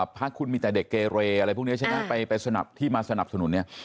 คราวคุณมีแต่เด็กเกรอะไรพวกนี้ฉะนั้นไปสนับที่มาสนับสนุน